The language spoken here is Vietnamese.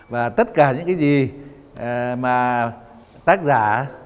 và tất cả những cái gì mà tác giả